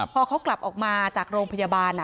พอเขากลับออกมาจากโรงพยาบาล